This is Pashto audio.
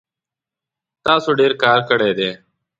تاسو ډیر کار کړی دی